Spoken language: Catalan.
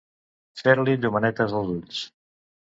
Fer-li llumenetes els ulls.